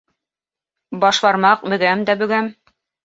Баш бармаҡ: «Бөгәм дә бөгәм»